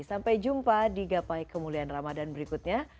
sampai jumpa di gapai kemuliaan ramadan berikutnya